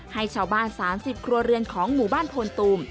ให้ชาวบ้าน๓๐ครัวเรือนของหมู่บ้านโพนตูม